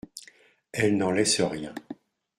Elle n'en laisse rien.